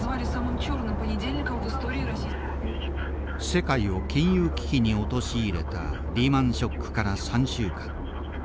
世界を金融危機に陥れたリーマンショックから３週間。